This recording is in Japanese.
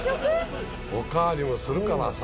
おかわりもするからさ。